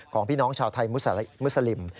ของพี่น้องชาวไทยมุสลิม